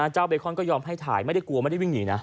เบคอนก็ยอมให้ถ่ายไม่ได้กลัวไม่ได้วิ่งหนีนะ